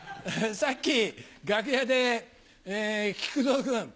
さっき楽屋で「木久蔵君。